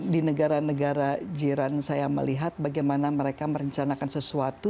di negara negara jiran saya melihat bagaimana mereka merencanakan sesuatu